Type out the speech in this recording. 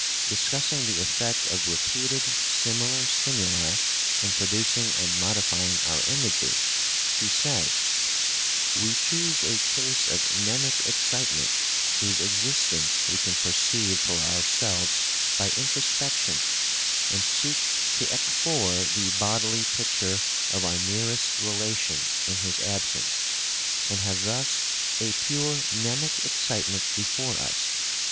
discussing the effect of repeated similar stimuli in producing and modifying our images, he says: "We choose a case of mnemic excitement whose existence we can perceive for ourselves by introspection, and seek to ekphore the bodily picture of our nearest relation in his absence, and have thus a pure mnemic excitement before us.